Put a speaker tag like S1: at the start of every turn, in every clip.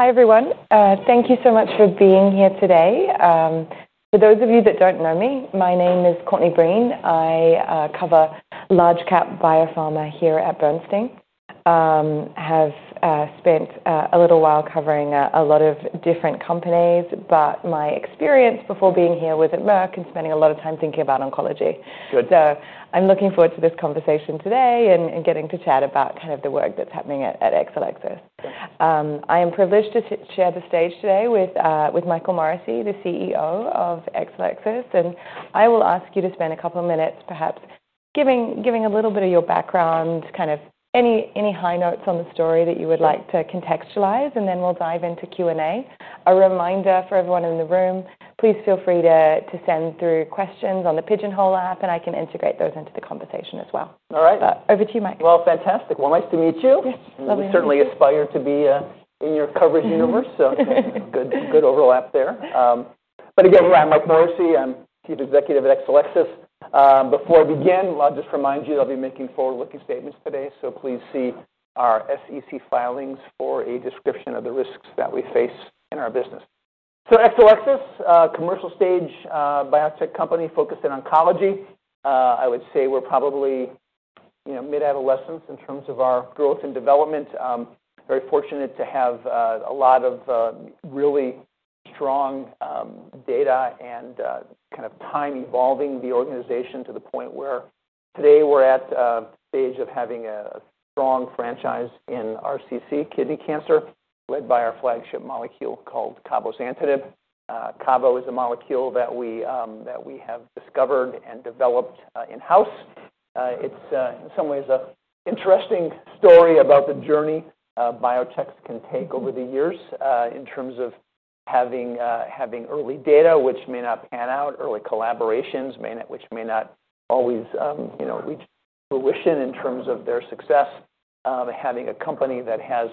S1: Hi everyone. Thank you so much for being here today. For those of you that don't know me, my name is Courtney Breen. I cover large-cap biopharma here at Bernstein. I have spent a little while covering a lot of different companies, but my experience before being here was at Merck and spending a lot of time thinking about oncology.
S2: Good.
S1: I am looking forward to this conversation today and getting to chat about kind of the work that's happening at Exelixis. I am privileged to share the stage today with Michael Morrissey, the CEO of Exelixis, and I will ask you to spend a couple of minutes perhaps giving a little bit of your background, kind of any high notes on the story that you would like to contextualize, and then we'll dive into Q&A. A reminder for everyone in the room, please feel free to send through questions on the pigeonhole app and I can integrate those into the conversation as well.
S2: All right.
S1: Over to you, Mike.
S2: Fantastic. Nice to meet you.
S1: Yes.
S2: We certainly aspire to be, in your coverage universe, so good, good overlap there. I'm Michael Morrissey. I'm Chief Executive at Exelixis. Before I begin, I'll just remind you that I'll be making forward-looking statements today, so please see our SEC filings for a description of the risks that we face in our business. Exelixis, a commercial stage biotech company focused in oncology. I would say we're probably, you know, mid-adolescence in terms of our growth and development. Very fortunate to have a lot of really strong data and kind of time evolving the organization to the point where today we're at the age of having a strong franchise in RCC kidney cancer led by our flagship molecule called cabozantinib. Cabo is a molecule that we have discovered and developed in-house. It's, in some ways, an interesting story about the journey biotechs can take over the years, in terms of having early data, which may not pan out, early collaborations, which may not always, you know, reach fruition in terms of their success. Having a company that has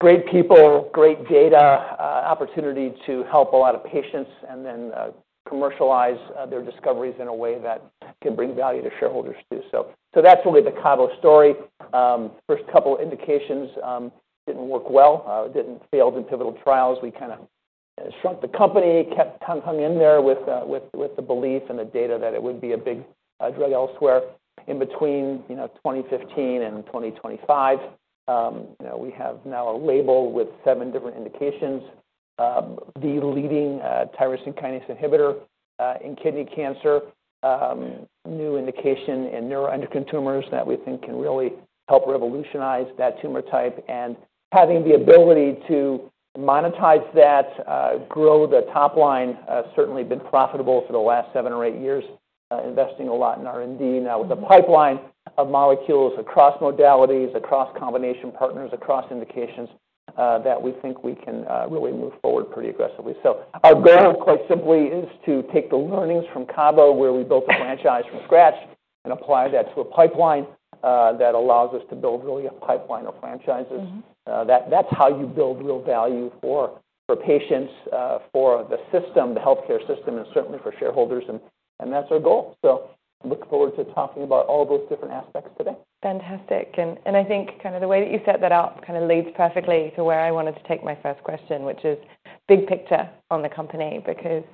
S2: great people, great data, opportunity to help a lot of patients and then commercialize their discoveries in a way that can bring value to shareholders too. That's really the Cabo story. First couple of indications didn't work well, didn't fail in pivotal trials. We kind of shrunk the company, kept hung in there with the belief and the data that it would be a big drug elsewhere in between, you know, 2015 and 2025. We have now a label with seven different indications, the leading tyrosine kinase inhibitor in kidney cancer. New indication in neuroendocrine tumors that we think can really help revolutionize that tumor type and having the ability to monetize that, grow the top line, certainly been profitable for the last seven or eight years, investing a lot in R&D. Now with the pipeline of molecules across modalities, across combination partners, across indications, that we think we can really move forward pretty aggressively. Our goal, quite simply, is to take the learnings from Cabo, where we built a franchise from scratch, and apply that to a pipeline that allows us to build really a pipeline of franchises. That's how you build real value for patients, for the system, the healthcare system, and certainly for shareholders, and that's our goal. I look forward to talking about all those different aspects today.
S1: Fantastic. I think the way that you set that up leads perfectly to where I wanted to take my first question, which is big picture on the company because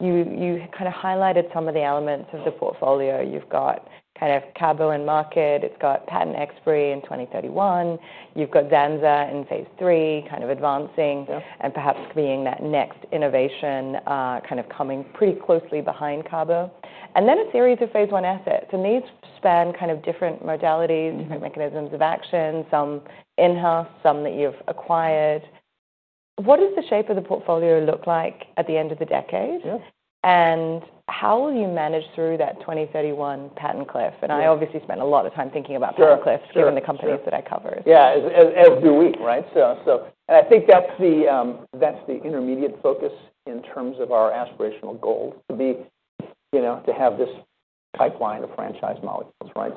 S1: you highlighted some of the elements of the portfolio. You've got Cabo in market, it's got patent expiry in 2031, you've got Zanza in phase three, advancing and perhaps being that next innovation, coming pretty closely behind Cabo. Then a series of phase one assets. These span different modalities, different mechanisms of action, some in-house, some that you've acquired. What does the shape of the portfolio look like at the end of the decade? Yeah, and how will you manage through that 2031 patent cliff? I obviously spent a lot of time thinking about patent cliffs given the companies that I covered.
S2: Yeah, as do we, right? I think that's the intermediate focus in terms of our aspirational goal to be, you know, to have this pipeline of franchise molecules, right?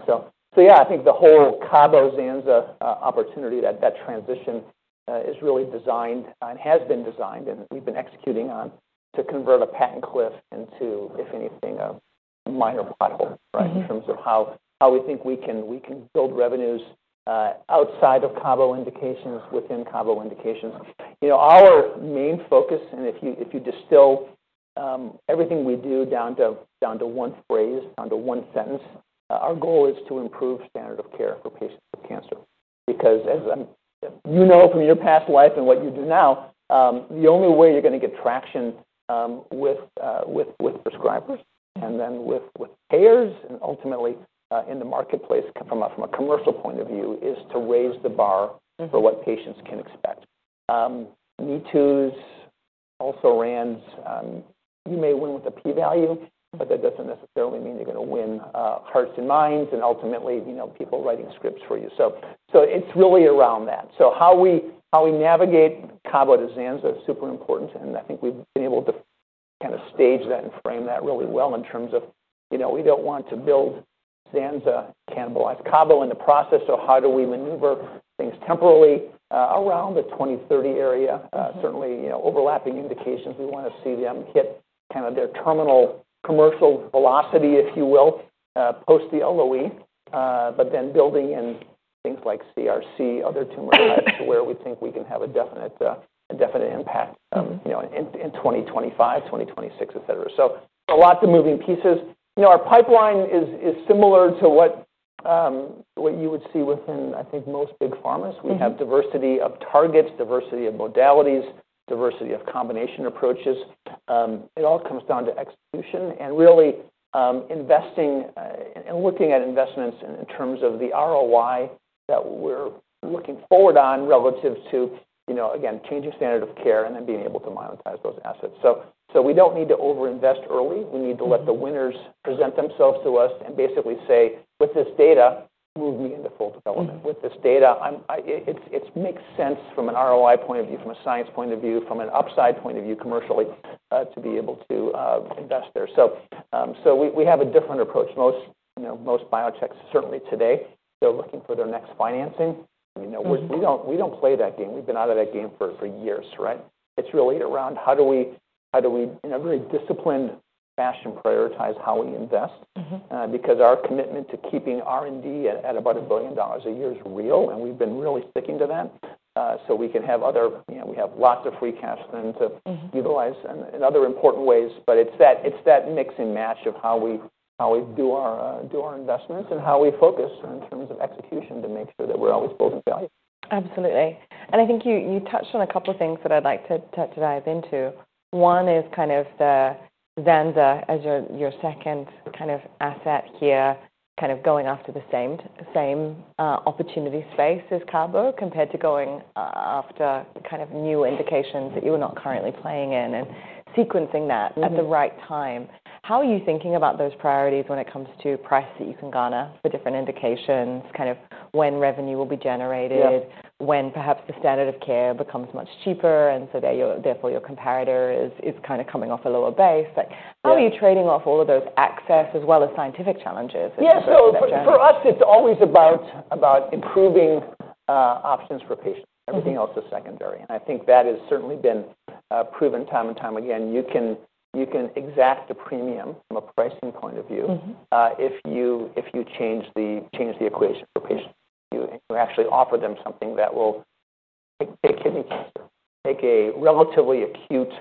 S2: I think the whole Cabo Zanza opportunity, that transition, is really designed and has been designed and we've been executing on to convert a patent cliff into, if anything, a minor bottleneck, right, in terms of how we think we can build revenues, outside of CABOMETYX indications, within CABOMETYX indications. Our main focus, and if you distill everything we do down to one phrase, down to one sentence, our goal is to improve standard of care for patients with cancer. Because, as you know from your past life and what you do now, the only way you're going to get traction with prescribers and then with payers and ultimately, in the marketplace from a commercial point of view, is to raise the bar for what patients can expect. New twos, also-rans, you may win with a P-value, but that doesn't necessarily mean you're going to win hearts and minds and ultimately, you know, people writing scripts for you. It's really around that. How we navigate CABOMETYX to Zanzalintinib is super important, and I think we've been able to kind of stage that and frame that really well in terms of, you know, we don't want to build Zanzalintinib, cannibalize CABOMETYX in the process, so how do we maneuver things temporally, around the 2030 area, certainly, you know, overlapping indications, we want to see them hit kind of their terminal commercial velocity, if you will, post the LOE, but then building in things like CRC, other tumor units, where we think we can have a definite impact, you know, in 2025, 2026, et cetera. A lot of the moving pieces. Our pipeline is similar to what you would see within, I think, most big pharmas. We have diversity of targets, diversity of modalities, diversity of combination approaches. It all comes down to execution and really, investing, and looking at investments in terms of the ROI that we're looking forward on relative to, you know, again, changing standard of care and then being able to monetize those assets. We don't need to overinvest early. We need to let the winners present themselves to us and basically say, with this data, move me into full development. With this data, it makes sense from an ROI point of view, from a science point of view, from an upside point of view commercially, to be able to invest there. We have a different approach. Most biotechs, certainly today, they're looking for their next financing. We don't play that game. We've been out of that game for years, right? It's really around how do we, in a very disciplined fashion, prioritize how we invest, because our commitment to keeping R&D at about $1 billion a year is real, and we've been really sticking to that, so we can have other, you know, we have lots of free cash then to utilize in other important ways, but it's that mix and match of how we do our investments and how we focus in terms of execution to make sure that we're always building value.
S1: Absolutely. I think you touched on a couple of things that I'd like to dive into. One is kind of the Zanzalintinib as your second kind of asset here, kind of going after the same opportunity space as CABOMETYX compared to going after kind of new indications that you were not currently playing in and sequencing that at the right time. How are you thinking about those priorities when it comes to price that you can garner for different indications, kind of when revenue will be generated, when perhaps the standard of care becomes much cheaper, and so therefore your competitor is kind of coming off a lower base. How are you trading off all of those access as well as scientific challenges?
S2: Yeah, for us it's always about improving options for patients. Everything else is secondary. I think that has certainly been proven time and time again. You can exact a premium from a pricing point of view if you change the equation for patients. You actually offer them something that will take kidney cancer, take a relatively acute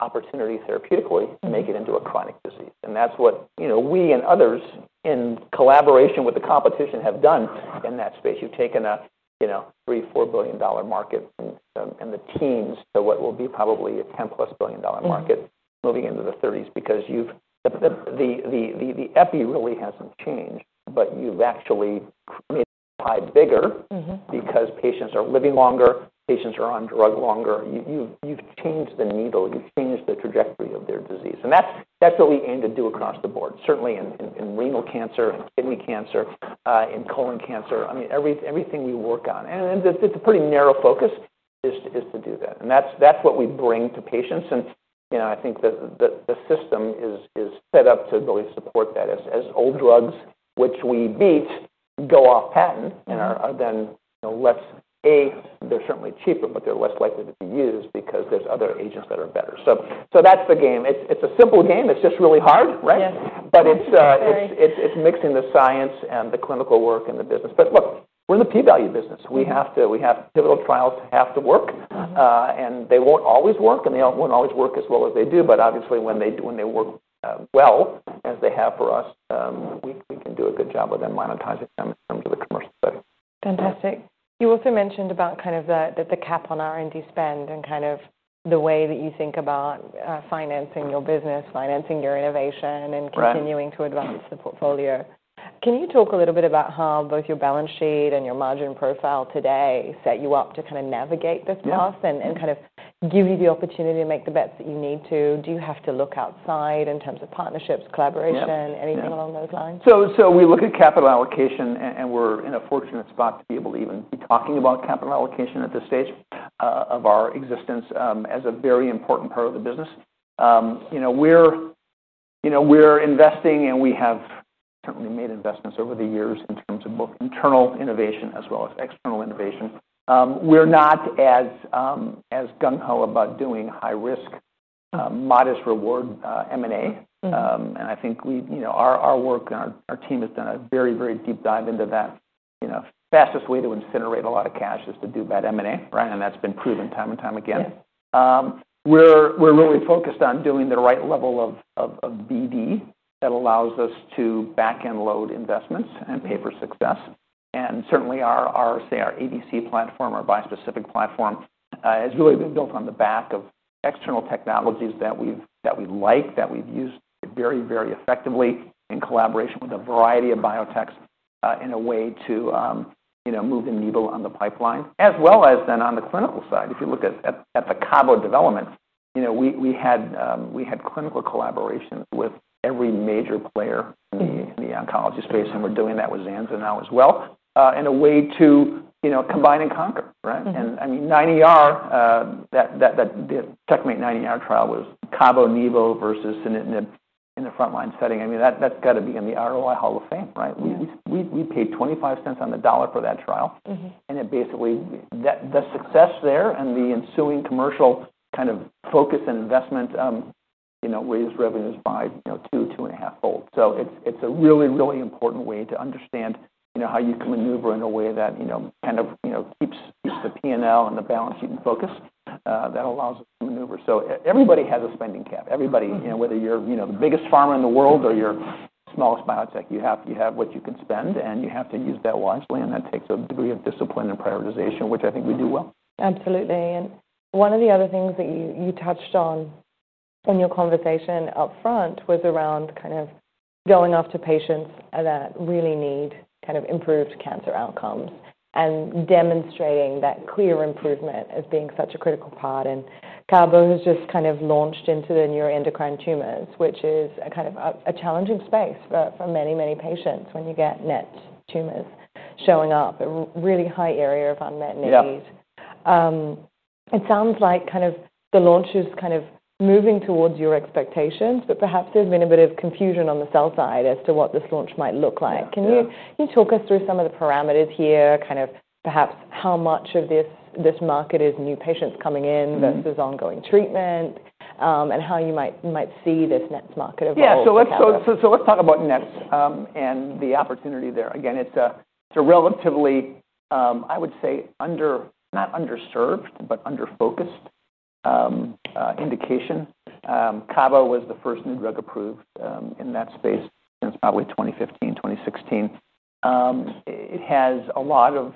S2: opportunity therapeutically, and make it into a chronic disease. That's what we and others in collaboration with the competition have done in that space. You've taken a $3 billion, $4 billion market in the teens to what will be probably a $10 billion plus market moving into the thirties because the epi really hasn't changed, but you've actually made the pie bigger because patients are living longer, patients are on drug longer. You've changed the needle, you've changed the trajectory of their disease. That's what we aim to do across the board, certainly in renal cancer, in kidney cancer, in colon cancer. Everything we work on, and it's a pretty narrow focus, is to do that. That's what we bring to patients. I think that the system is set up to really support that as old drugs, which we beat, go off patent and are then, you know, less A, they're certainly cheaper, but they're less likely to be used because there's other agents that are better. That's the game. It's a simple game. It's just really hard, right? Yeah, but it's mixing the science and the clinical work and the business. Look, we're in the P-value business. We have to, we have pivotal trials have to work, and they won't always work and they won't always work as well as they do. Obviously, when they work well, as they have for us, we can do a good job of then monetizing them into the commercial segment.
S1: Fantastic. You also mentioned about the cap on R&D spend and the way that you think about financing your business, financing your innovation, and continuing to advance the portfolio. Can you talk a little bit about how both your balance sheet and your margin profile today set you up to navigate this path and give you the opportunity to make the bets that you need to? Do you have to look outside in terms of partnerships, collaboration, anything along those lines?
S2: We look at capital allocation and we're in a fortunate spot to be able to even be talking about capital allocation at this stage of our existence as a very important part of the business. We're investing and we have certainly made investments over the years in terms of both internal innovation as well as external innovation. We're not as gung ho about doing high risk, modest reward M&A. I think our work and our team has done a very, very deep dive into that. The fastest way to incinerate a lot of cash is to do bad M&A, right? That's been proven time and time again. We're really focused on doing the right level of DD that allows us to back and load investments and pay for success. Certainly, our ADC platform, our bi-specific platform, has really been built on the back of external technologies that we like, that we've used very, very effectively in collaboration with a variety of biotechs, in a way to move the needle on the pipeline, as well as then on the clinical side. If you look at the Cabo developments, we had clinical collaboration with every major player in the oncology space, and we're doing that with Zanzalintinib now as well, in a way to combine and conquer, right? I mean, CheckMate 9ER, the CheckMate 9ER trial was CABOMETYX, nivo versus sunitinib in the frontline setting. I mean, that's got to be in the ROI Hall of Fame, right? We paid $0.25 on the dollar for that trial. The success there and the ensuing commercial kind of focus and investment raised revenues by two, two and a half fold. It's a really, really important way to understand how you can maneuver in a way that keeps the P&L and the balance sheet in focus, that allows us to maneuver. Everybody has a spending cap. Everybody, whether you're the biggest pharma in the world or your smallest biotech, you have what you can spend and you have to use that wisely. That takes a degree of discipline and prioritization, which I think we do well.
S1: Absolutely. One of the other things that you touched on in your conversation up front was around kind of going after patients that really need improved cancer outcomes and demonstrating that clear improvement as being such a critical part. CABOMETYX has just launched into the neuroendocrine tumors, which is a challenging space for many, many patients. When you get NET tumors showing up, a really high area of unmet needs. It sounds like the launch is moving towards your expectations, but perhaps there's been a bit of confusion on the sell side as to what this launch might look like. Can you talk us through some of the parameters here, perhaps how much of this market is new patients coming in versus ongoing treatment, and how you might see this next market overall?
S2: Yeah, let's talk about NETs and the opportunity there. Again, it's a relatively, I would say, not underserved, but underfocused indication. CABOMETYX was the first new drug approved in that space since probably 2015, 2016. It has a lot of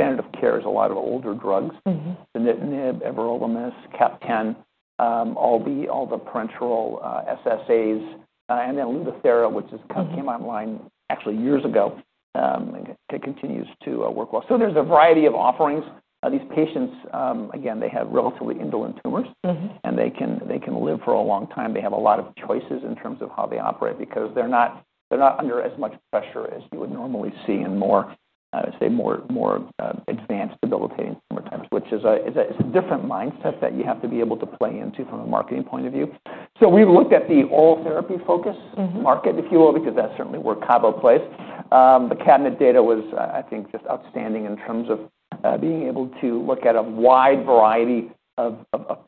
S2: standard of care, a lot of older drugs, the Nitinib, Everolimus, CAPTEM, all the parenteral SSAs, and then Lutathera, which came online actually years ago, and it continues to work well. There is a variety of offerings. These patients, again, they have relatively indolent tumors, and they can live for a long time. They have a lot of choices in terms of how they operate because they're not under as much pressure as you would normally see in more, I would say, more advanced debilitating tumor types, which is a different mindset that you have to be able to play into from a marketing point of view. We looked at the oral therapy-focused market, if you will, because that's certainly where CABOMETYX plays. The CABINET data was, I think, just outstanding in terms of being able to look at a wide variety of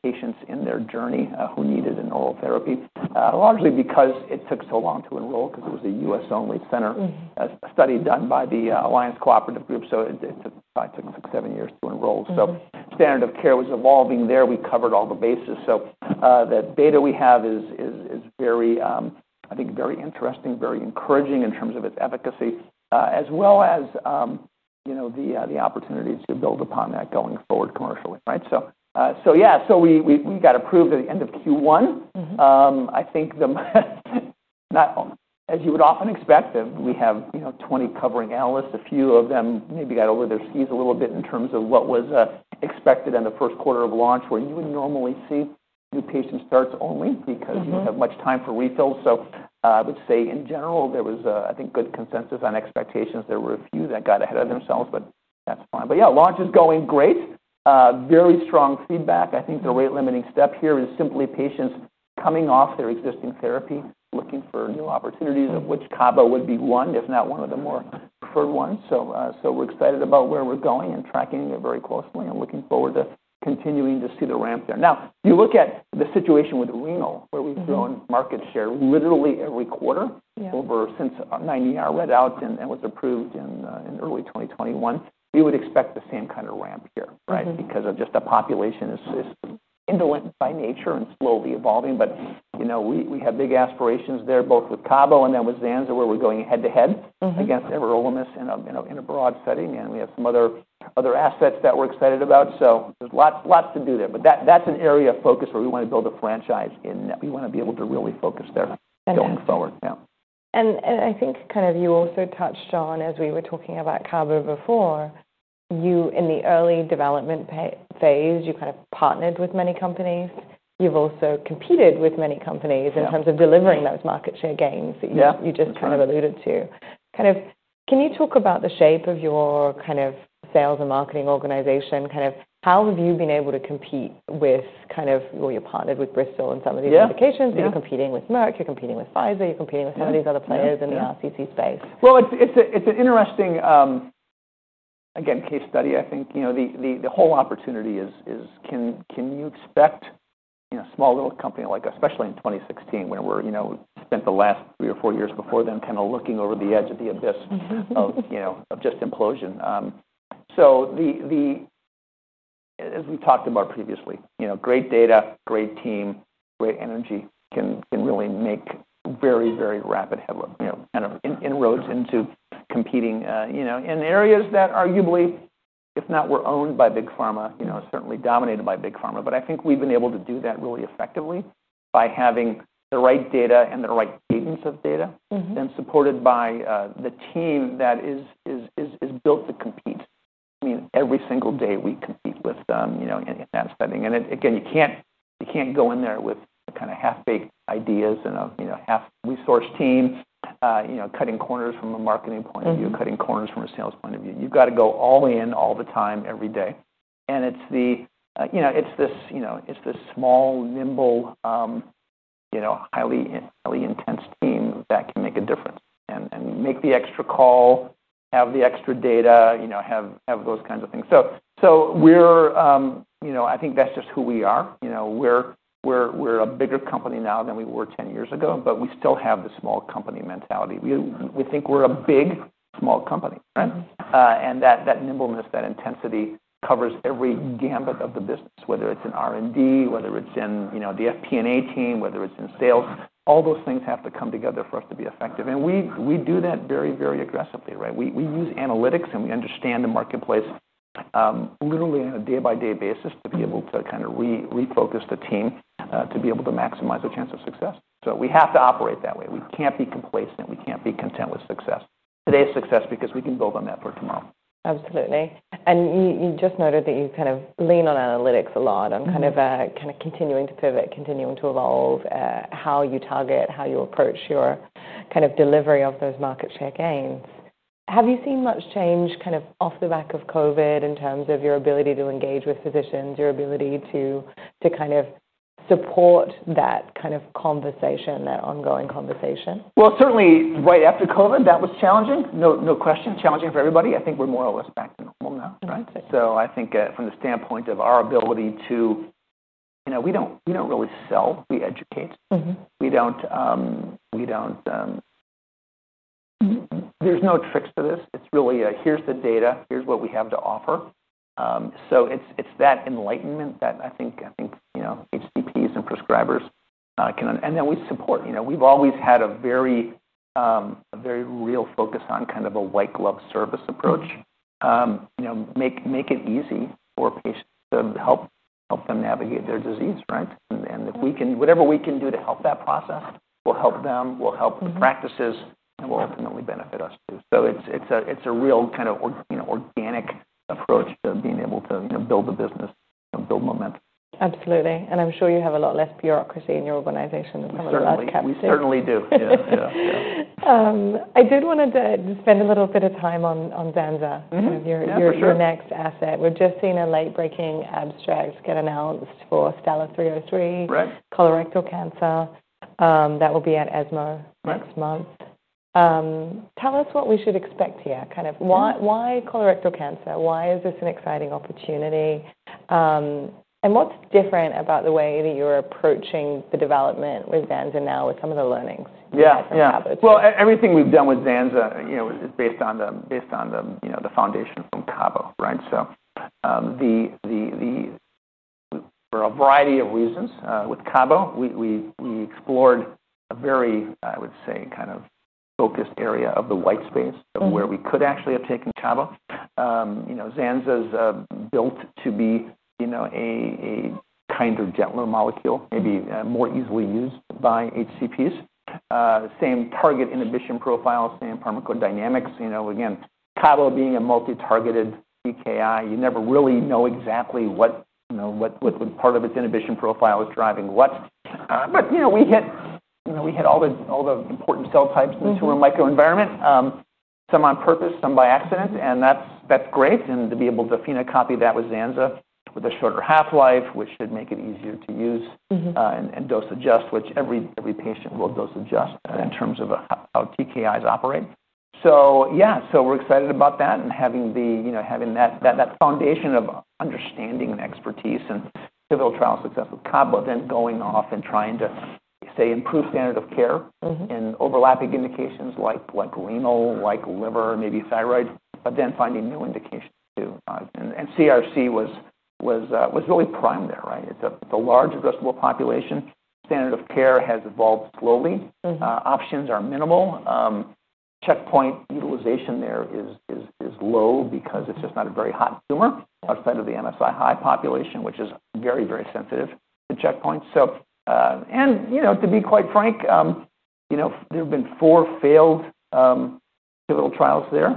S2: patients in their journey who needed an oral therapy, largely because it took so long to enroll because it was a U.S.-only center, a study done by the Alliance Cooperative Group. It took five, six, seven years to enroll. Standard of care was evolving there. We covered all the bases. The data we have is, I think, very interesting, very encouraging in terms of its efficacy, as well as the opportunities to build upon that going forward commercially, right? We got approved at the end of Q1. I think, as you would often expect, and we have 20 covering analysts, a few of them maybe got over their skis a little bit in terms of what was expected in the first quarter of launch where you would normally see new patient starts only because you don't have much time for refills. I would say in general, there was good consensus on expectations. There were a few that got ahead of themselves, but that's fine. Launch is going great, very strong feedback. I think the rate-limiting step here is simply patients coming off their existing therapy, looking for new opportunities of which CABOMETYX would be one, if not one of the more preferred ones. We're excited about where we're going and tracking it very closely and looking forward to continuing to see the ramp there. Now, if you look at the situation with renal, where we've grown market share literally every quarter since CheckMate 9ER led out and was approved in early 2021, you would expect the same kind of ramp here, right? Because the population is indolent by nature and slowly evolving. We had big aspirations there both with CABOMETYX and then with zanzalintinib, where we're going head to head against everolimus in a broad setting. We have some other assets that we're excited about. There's lots to do there. That's an area of focus where we want to build a franchise in. We want to be able to really focus there going forward. Yeah.
S1: I think you also touched on, as we were talking about CABOMETYX before, in the early development phase, you partnered with many companies. You've also competed with many companies in terms of delivering those market share gains that you just alluded to. Can you talk about the shape of your sales and marketing organization? How have you been able to compete with, well, you're partnered with Bristol Myers Squibb in some of these applications. You're competing with Merck. You're competing with Pfizer. You're competing with some of these other players in the renal cell carcinoma space.
S2: It's an interesting, again, case study. I think the whole opportunity is, can you expect a small little company, like especially in 2016 when we spent the last three or four years before then kind of looking over the edge of the abyss of just implosion. As we've talked about previously, great data, great team, great energy can really make very, very rapid headroom, kind of inroads into competing in areas that arguably, if not were owned by big pharma, certainly dominated by big pharma. I think we've been able to do that really effectively by having the right data and the right cadence of data and supported by the team that is built to compete. I mean, every single day we compete in that setting. You can't go in there with the kind of half-baked ideas and a half-resourced team, cutting corners from a marketing point of view, cutting corners from a sales point of view. You've got to go all in all the time every day. It's this small, nimble, highly, highly intense team that can make a difference and make the extra call, have the extra data, have those kinds of things. We're, I think that's just who we are. We're a bigger company now than we were 10 years ago, but we still have the small company mentality. We think we're a big small company, right? That nimbleness, that intensity covers every gambit of the business, whether it's in R&D, whether it's in the FP&A team, whether it's in sales, all those things have to come together for us to be effective. We do that very, very aggressively, right? We use analytics and we understand the marketplace, literally on a day-by-day basis to be able to refocus the team, to be able to maximize their chance of success. We have to operate that way. We can't be complacent. We can't be content with success, today's success, because we can build on that for tomorrow.
S1: Absolutely. You just noted that you kind of lean on analytics a lot and kind of continuing to pivot, continuing to evolve, how you target, how you approach your kind of delivery of those market share gains. Have you seen much change off the back of COVID in terms of your ability to engage with physicians, your ability to kind of support that kind of conversation, that ongoing conversation?
S2: Certainly, right after COVID, that was challenging. No question, challenging for everybody. I think we're more or less back to normal now, right? I think from the standpoint of our ability to, you know, we don't really sell. We educate. We don't, there's no tricks to this. It's really, here's the data. Here's what we have to offer. It's that enlightenment that I think HCPs and prescribers can, and then we support. We've always had a very real focus on kind of a white glove service approach. You know, make it easy for patients to help them navigate their disease, right? If we can, whatever we can do to help that process, we'll help them, we'll help practices, and we'll ultimately benefit us too. It's a real kind of organic approach to being able to build the business and build momentum.
S1: Absolutely. I'm sure you have a lot less bureaucracy in your organization than some of the large caps.
S2: We certainly do. Yeah, yeah.
S1: I did want to spend a little bit of time on Zanzalintinib, your next asset. We're just seeing a late-breaking abstract get announced for STELLAR-303, right, colorectal cancer. That will be at ESMO next month. Tell us what we should expect here. Kind of why colorectal cancer? Why is this an exciting opportunity? What's different about the way that you're approaching the development with Zanzalintinib now with some of the learnings you have from CABOMETYX?
S2: Everything we've done with Zanzalintinib is based on the foundation from CABOMETYX, right? For a variety of reasons, with CABOMETYX, we explored a very, I would say, kind of focused area of the white space of where we could actually have taken CABOMETYX. Zanzalintinib's built to be a kind of dental molecule, maybe more easily used by HCPs. Same target inhibition profiles, same pharmacodynamics. Again, CABOMETYX being a multi-targeted TKI, you never really know exactly what part of its inhibition profile is driving what. We hit all the important cell types into a microenvironment, some on purpose, some by accident, and that's great. To be able to phenocopy that with Zanzalintinib with a shorter half-life, which should make it easier to use and dose adjust, which every patient will dose adjust in terms of how TKIs operate. We're excited about that and having that foundation of understanding and expertise and pivotal trial success with CABOMETYX, then going off and trying to improve standard of care in overlapping indications like renal, like liver, maybe thyroid, but then finding new indications too. CRC was really prime there, right? It's a large addressable population. Standard of care has evolved slowly. Options are minimal. Checkpoint utilization there is low because it's just not a very hot tumor outside of the MSI high population, which is very sensitive to checkpoints. To be quite frank, there have been four failed pivotal trials there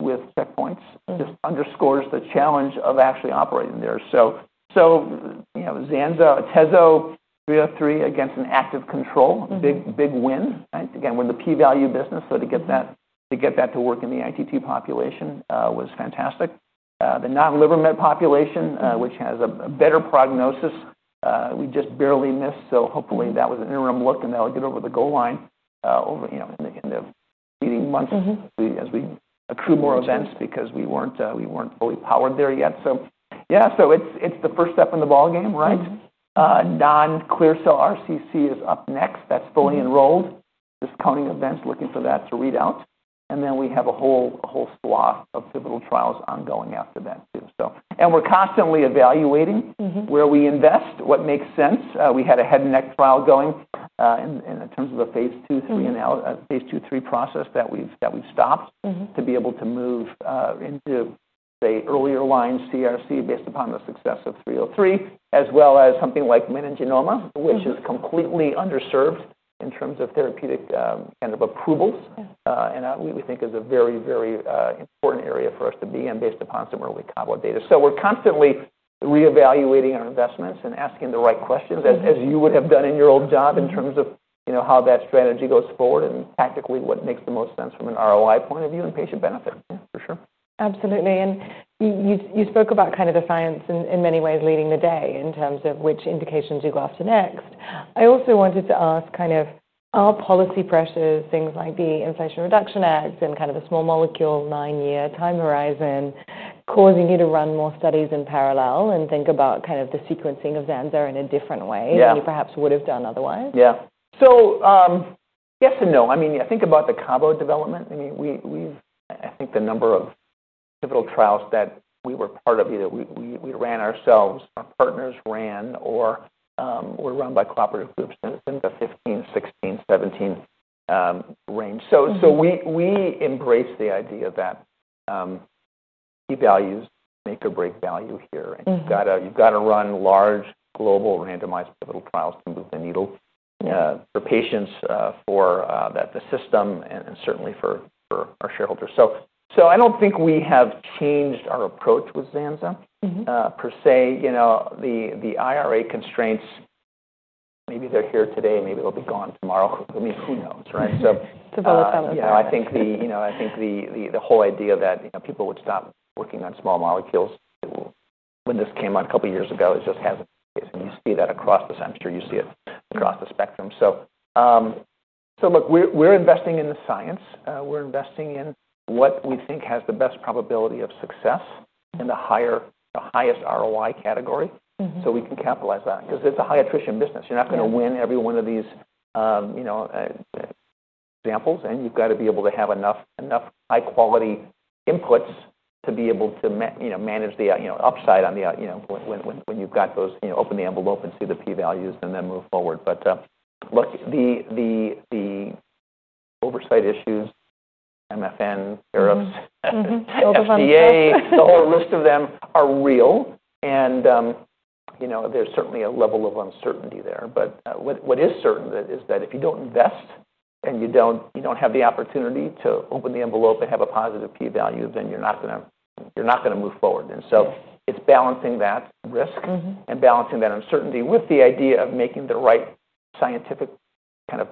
S2: with checkpoints. It just underscores the challenge of actually operating there. Zanzalintinib, Tezo, 303 against an active control, big win. We're in the P-value business, so to get that to work in the ITT population was fantastic. The non-liver met population, which has a better prognosis, we just barely missed. Hopefully that was an interim look and that'll get over the goal line in the coming months as we accrue more events because we weren't fully powered there yet. It's the first step in the ballgame. Non-clear cell RCC is up next. That's fully enrolled. Just counting events, looking for that to read out. We have a whole slew of pivotal trials ongoing after that too. We're constantly evaluating where we invest, what makes sense. We had a head and neck trial going in terms of the phase 2/3 process that we've stopped to be able to move into, say, earlier lines CRC based upon the success of 303, as well as something like meningioma, which is completely underserved in terms of therapeutic approvals. We think it is a very, very important area for us to be in based upon some early Cabo data. We're constantly reevaluating our investments and asking the right questions, as you would have done in your old job in terms of how that strategy goes forward and tactically what makes the most sense from an ROI point of view and patient benefit. Yeah, for sure.
S1: Absolutely. You spoke about the science in many ways leading the day in terms of which indications you go after next. I also wanted to ask, are policy pressures, things like the Inflation Reduction Act and the small molecule nine-year time horizon, causing you to run more studies in parallel and think about the sequencing of zanzalintinib in a different way than you perhaps would have done otherwise.
S2: Yeah. Yes and no. I mean, I think about the Cabo development. I mean, we've, I think the number of pivotal trials that we were part of, either we ran ourselves, our partners ran, or were run by cooperative groups, in the 15, 16, 17 range. We embrace the idea that P-values make or break value here. You've got to run large global randomized pivotal trials to move the needle for patients, for the system, and certainly for our shareholders. I don't think we have changed our approach with zanzalintinib per se. The IRA constraints, maybe they're here today, maybe they'll be gone tomorrow. I mean, who knows, right?
S1: It's a volatile environment.
S2: I think the whole idea that people would stop working on small molecules when this came out a couple of years ago is just hazardous. You see that across the spectrum. Look, we're investing in the science. We're investing in what we think has the best probability of success in the highest ROI category. We can capitalize that because it's a high attrition business. You're not going to win every one of these examples, and you've got to be able to have enough high-quality inputs to be able to manage the upside when you've got those, open the envelope and see the P-values and then move forward. The oversight issues, MFN, ERUPS, FSCA, the whole list of them are real, and there's certainly a level of uncertainty there. What is certain is that if you don't invest and you don't have the opportunity to open the envelope and have a positive P-value, then you're not going to move forward. It's balancing that risk and balancing that uncertainty with the idea of making the right scientific kind of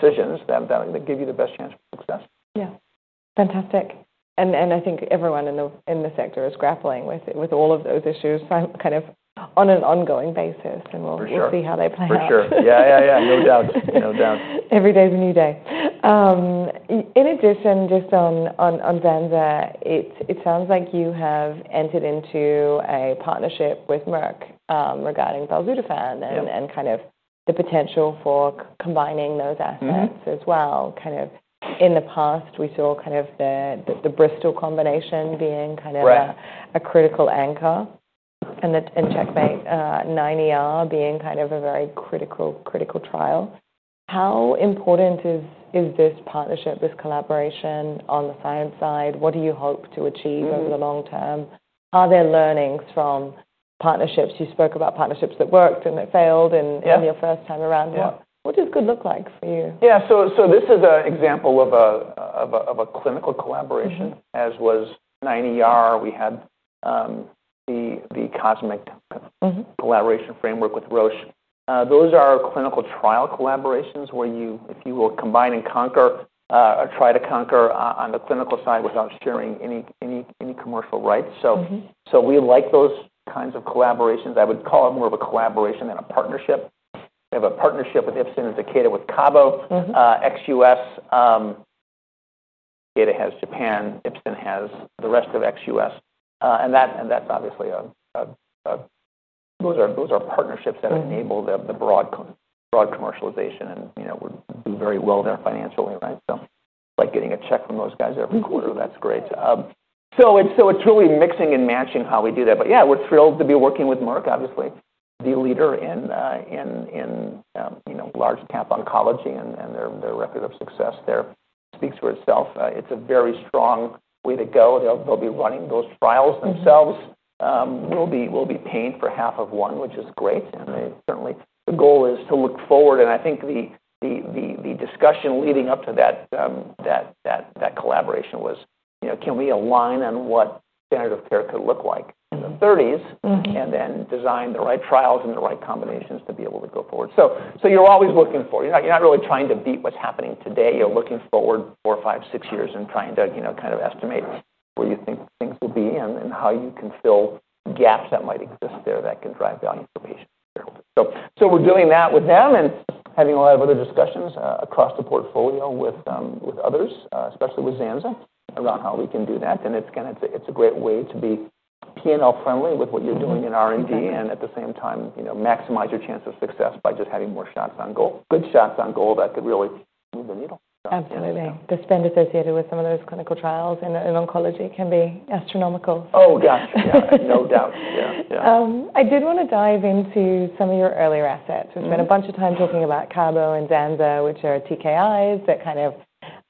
S2: decisions that are going to give you the best chance for success.
S1: Yeah. Fantastic. I think everyone in the sector is grappling with all of those issues on an ongoing basis. We'll see how they play out.
S2: For sure. Yeah, no doubt.
S1: Every day's a new day. In addition, just on Zanzalintinib, it sounds like you have entered into a partnership with Merck regarding belzutifan and kind of the potential for combining those aspects as well. In the past, we saw the Bristol Myers Squibb combination being a critical anchor and the CheckMate 9ER being a very critical, critical trial. How important is this partnership, this collaboration on the science side? What do you hope to achieve over the long term? Are there learnings from partnerships? You spoke about partnerships that worked and that failed in your first time around. What does good look like for you?
S2: Yeah, so this is an example of a clinical collaboration, as was CheckMate 9ER. We had the COSMIC collaboration framework with Roche. Those are clinical trial collaborations where you, if you will, combine and conquer, or try to conquer on the clinical side without sharing any commercial rights. We like those kinds of collaborations. I would call it more of a collaboration than a partnership. We have a partnership with Ipsen and Takeda with CABOMETYX, ex-U.S. Takeda has Japan. Ipsen has the rest of ex-U.S., and that's obviously a partnership that enables the broad commercialization and, you know, we do very well there financially, right? Like getting a check from those guys every quarter, that's great. It's really mixing and matching how we do that. We're thrilled to be working with Merck, obviously the leader in large cap oncology, and their record of success there speaks for itself. It's a very strong way to go. They'll be running those trials themselves. We'll be paying for half of one, which is great. The goal is to look forward. I think the discussion leading up to that collaboration was, you know, can we align on what standard of care could look like in the 2030s and then design the right trials and the right combinations to be able to go forward. You're always looking for, you're not really trying to beat what's happening today. You're looking forward four, five, six years and trying to, you know, kind of estimate where you think things will be and how you can fill gaps that might exist there that can drive value for patients. We're doing that with them and having a lot of other discussions across the portfolio with others, especially with Zanzalintinib, about how we can do that. It's a great way to be P&L friendly with what you're doing in R&D and at the same time, you know, maximize your chance of success by just having more shots on goal, good shots on goal that could really move the needle.
S1: Absolutely. The spend associated with some of those clinical trials in oncology can be astronomical.
S2: Oh gosh, yeah, no doubt. Yeah.
S1: I did want to dive into some of your earlier assets. We've spent a bunch of time talking about CABOMETYX and zanzalintinib, which are TKIs that kind of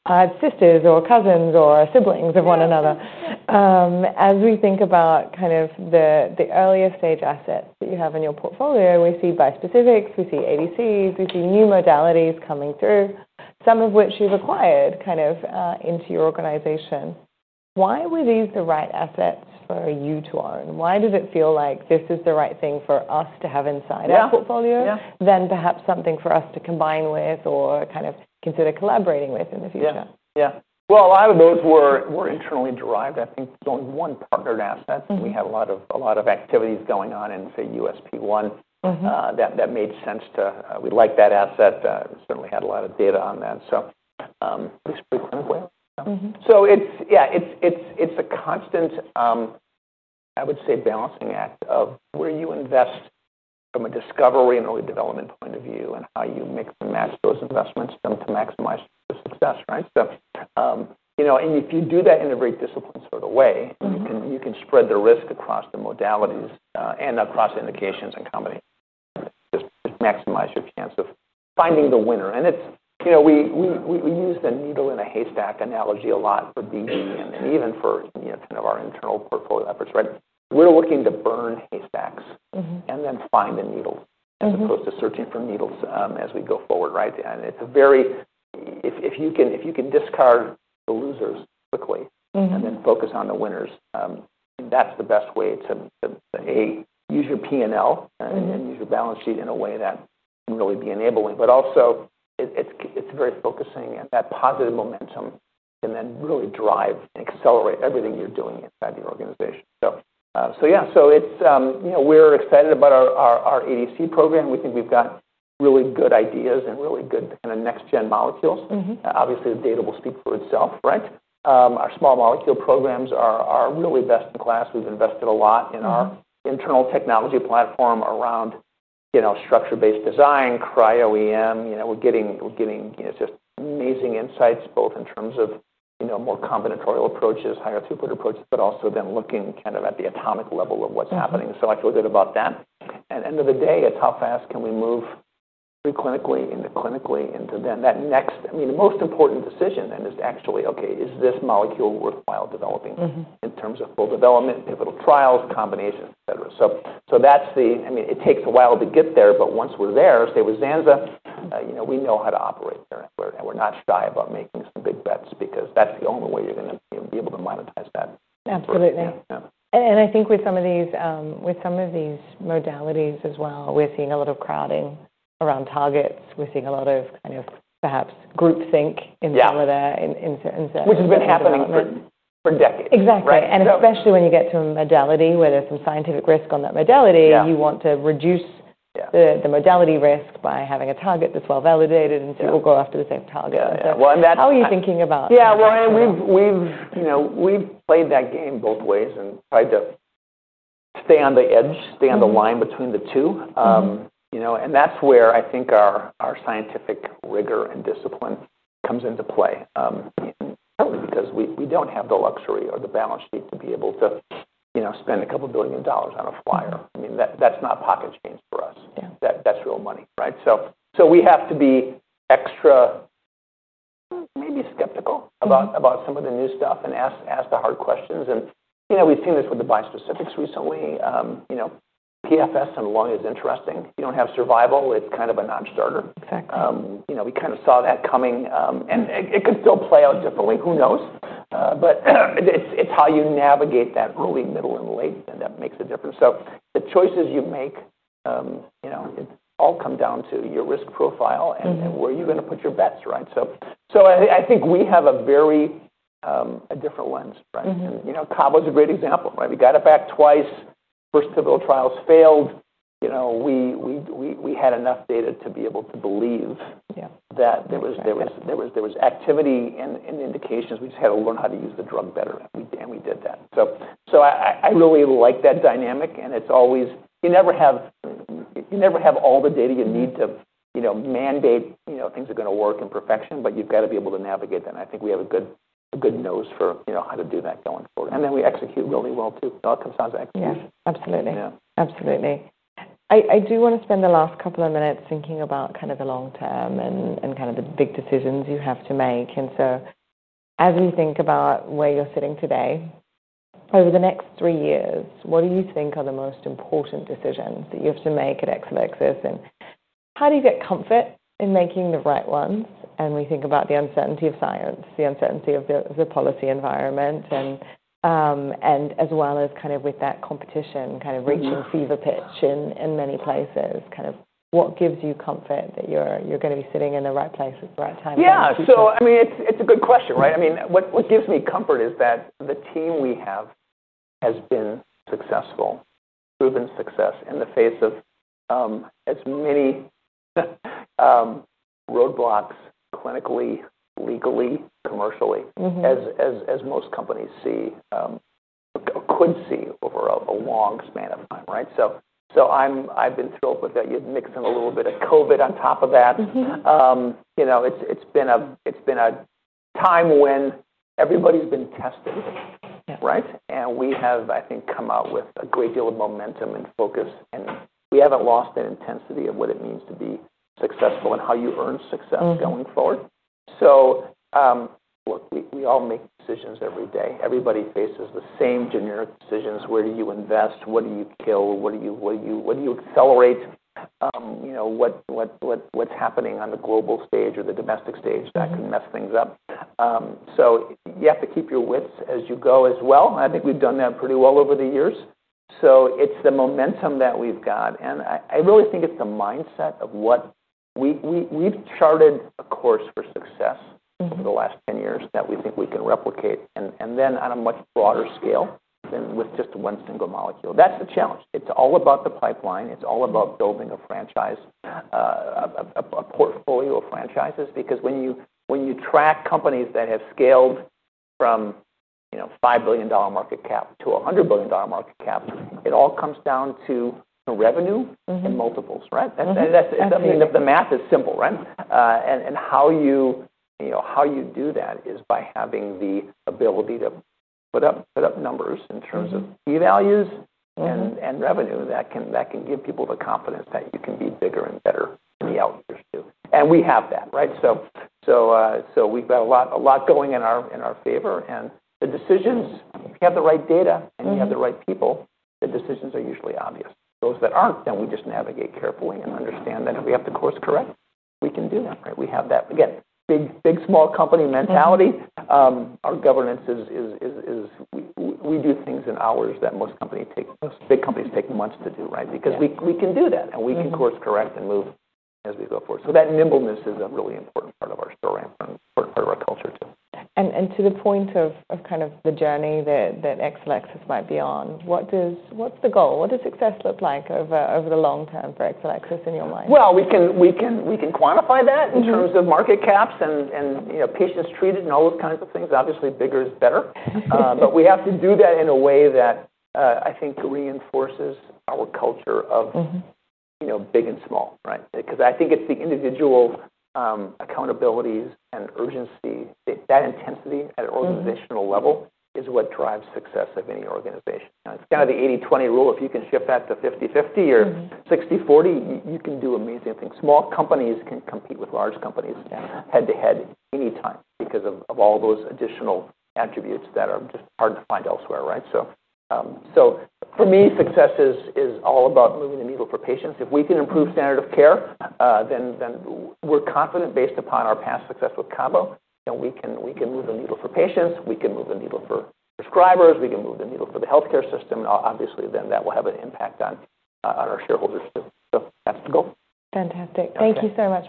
S1: are sisters or cousins or siblings of one another. As we think about the earlier stage assets that you have in your portfolio, we see bi-specifics, we see ADCs, we see new modalities coming through, some of which you've acquired into your organization. Why were these the right assets for you to own? Why does it feel like this is the right thing for us to have inside our portfolio, then perhaps something for us to combine with or consider collaborating with in the future?
S2: Yeah, yeah. A lot of those were internally derived. I think the only one partnered asset, and we had a lot of activities going on in, say, USP one, that made sense to, we liked that asset, and certainly had a lot of data on that. Just quick, so it's, yeah, it's a constant, I would say, balancing act of where you invest from a discovery and early development point of view and how you mix and match those investments to maximize the success, right? If you do that in a very disciplined sort of way, you can spread the risk across the modalities and across indications and companies. Just maximize your chance of finding the winner. We use the needle in a haystack analogy a lot for DG and even for, you know, kind of our internal portfolio efforts, right? We're looking to burn haystacks and then find a needle as opposed to searching for needles as we go forward, right? If you can discard the losers quickly and then focus on the winners, that's the best way to, to A, use your P&L and use your balance sheet in a way that can really be enabling, but also it's very focusing at that positive momentum and then really drive and accelerate everything you're doing inside the organization. We're excited about our ADC program. We think we've got really good ideas and really good kind of next-gen molecules. Obviously, the data will speak for itself, right? Our small molecule programs are really best in class. We've invested a lot in our internal technology platform around structure-based design, cryo-EM. We're getting, you know, just amazing insights both in terms of more combinatorial approaches, higher throughput approaches, but also then looking kind of at the atomic level of what's happening. I feel good about that. At the end of the day, it's how fast can we move preclinically into clinically into then that next, I mean, the most important decision then is actually, okay, is this molecule worthwhile developing in terms of full development, pivotal trials, combinations, et cetera. It takes a while to get there, but once we're there, stay with zanzalintinib, you know, we know how to operate there. We're not shy about making some big bets because that's the only way you're going to be able to monetize that.
S1: Absolutely. I think with some of these modalities as well, we're seeing a lot of crowding around targets. We're seeing a lot of kind of perhaps groupthink in certain areas.
S2: Which has been happening for decades.
S1: Exactly. Especially when you get to a modality where there's some scientific risk on that modality, you want to reduce the modality risk by having a target that's well validated and people go after the same target. How are you thinking about?
S2: Yeah, we've played that game both ways and tried to stay on the edge, stay on the line between the two. That's where I think our scientific rigor and discipline comes into play, partly because we don't have the luxury or the balance sheet to be able to spend a couple billion dollars on a flyer. I mean, that's not pocket change for us. That's real money, right? We have to be extra, maybe skeptical about some of the new stuff and ask the hard questions. We've seen this with the bi-specifics recently. PFS in lung is interesting. You don't have survival. It's kind of a non-starter effect. We kind of saw that coming, and it could still play out differently. Who knows? It's how you navigate that early, middle, and late that makes a difference. The choices you make, it all comes down to your risk profile and where you're going to put your bets, right? I think we have a very different lens, right? Cabo's a great example, right? We got it back twice. First pivotal trials failed. We had enough data to be able to believe, yeah, that there was activity in indications. We just had to learn how to use the drug better, and we did that. I really like that dynamic. You never have all the data you need to mandate things are going to work in perfection, but you've got to be able to navigate that. I think we have a good nose for how to do that going forward, and then we execute really well too. It all comes down to execution.
S1: Absolutely. I do want to spend the last couple of minutes thinking about kind of the long term and kind of the big decisions you have to make. As we think about where you're sitting today, over the next three years, what do you think are the most important decisions that you have to make at Exelixis? How do you get comfort in making the right ones? We think about the uncertainty of science, the uncertainty of the policy environment, as well as with that competition kind of reaching fever pitch in many places. What gives you comfort that you're going to be sitting in the right place at the right time?
S2: Yeah, so I mean, it's a good question, right? What gives me comfort is that the team we have has been successful, proven success in the face of as many roadblocks clinically, legally, commercially as most companies could see over a long span of time, right? I've been thrilled with that. You mix in a little bit of COVID on top of that, you know, it's been a time when everybody's been tested, right? We have, I think, come out with a great deal of momentum and focus. We haven't lost that intensity of what it means to be successful and how you earn success going forward. Look, we all make decisions every day. Everybody faces the same generic decisions. Where do you invest? What do you kill? What do you accelerate? You know, what's happening on the global stage or the domestic stage that can mess things up. You have to keep your wits as you go as well. I think we've done that pretty well over the years. It's the momentum that we've got. I really think it's the mindset of what we've charted, a course for success for the last 10 years that we think we can replicate, and then on a much broader scale than with just one single molecule. That's the challenge. It's all about the pipeline. It's all about building a franchise, a portfolio of franchises. Because when you track companies that have scaled from, you know, $5 billion market cap to $100 billion market cap, it all comes down to revenue and multiples, right? The math is simple, right? How you do that is by having the ability to put up numbers in terms of P-values and revenue that can give people the confidence that you can be bigger and better in the outcomes too. We have that, right? We've got a lot going in our favor. The decisions, if you have the right data and you have the right people, the decisions are usually obvious. Those that aren't, then we just navigate carefully and understand that if we have to course correct, we can do that, right? We have that, again, big, big small company mentality. Our governance is, we do things in hours that most big companies take months to do, right? Because we can do that and we can course correct and move as we go forward. That nimbleness is a really important part of our story and part of our culture too.
S1: To the point of kind of the journey that Exelixis might be on, what does what's the goal? What does success look like over the long term for Exelixis in your mind?
S2: We can quantify that in terms of market caps and, you know, patients treated and all those kinds of things. Obviously, bigger is better, but we have to do that in a way that, I think, reinforces our culture of, you know, big and small, right? I think it's the individual accountabilities and urgency. That intensity at an organizational level is what drives success of any organization. It's kind of the 80-20 rule. If you can shift that to 50-50 or 60-40, you can do amazing things. Small companies can compete with large companies head-to-head anytime because of all those additional attributes that are just hard to find elsewhere, right? For me, success is all about moving the needle for patients. If we can improve standard of care, then we're confident based upon our past success with CABOMETYX. We can move the needle for patients. We can move the needle for prescribers. We can move the needle for the healthcare system. Obviously, that will have an impact on our shareholders too. That's the goal.
S1: Fantastic. Thank you so much.